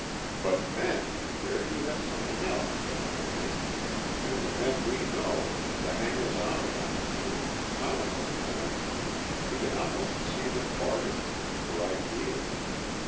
"But men there you have something else, don't you think? And the men we know the hangers on around here, comical, eh? You can almost see them bargain hunting for ideas.